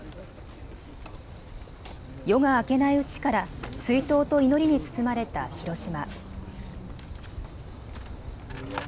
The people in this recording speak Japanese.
夜が明けないうちから追悼と祈りに包まれた広島。